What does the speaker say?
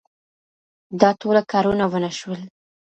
دا ټوله کارونه ونه شول.